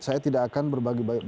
saya tidak akan berbagi bagi kursi